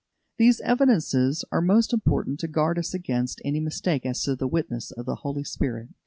These evidences are most important to guard us against any mistake as to the witness of the Holy Spirit.